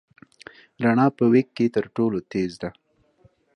رڼا په وېګ کې تر ټولو تېز ده.